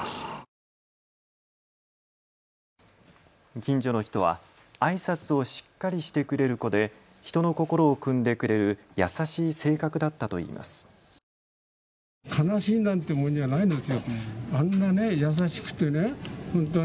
近所の人はあいさつをしっかりしてくれる子で人の心をくんでくれる優しい性格だったといいます。